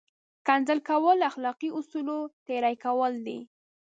کنځل کول له اخلاقي اصولو تېری کول دي!